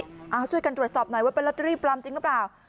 เอาช่วยกันตรวจสอบหน่อยว่าเป็นลอตเตอรี่ปลอมจริงหรือเปล่า